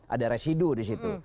ada residu di situ